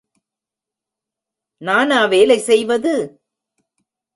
நானா வேலை செய்வது?